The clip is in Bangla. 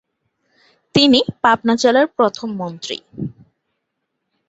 তিনি পাবনা জেলার প্রথম মন্ত্রী।